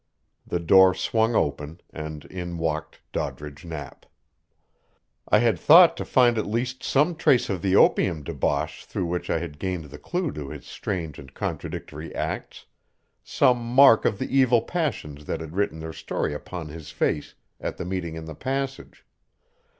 The door swung open, and in walked Doddridge Knapp. I had thought to find at least some trace of the opium debauch through which I had gained the clue to his strange and contradictory acts some mark of the evil passions that had written their story upon his face at the meeting in the passage.